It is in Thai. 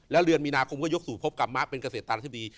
แล้วเดือนมีนาคมก็ยกสู่พบกรรมะเป็นเกษตราธิบดี